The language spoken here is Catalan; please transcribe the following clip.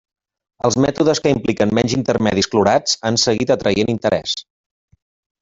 Els mètodes que impliquen menys intermedis clorats han seguit atraient interès.